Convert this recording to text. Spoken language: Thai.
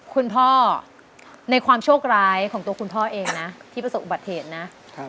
คุณพ่อในความโชคร้ายของตัวคุณพ่อเองนะที่ประสบอุบัติเหตุนะ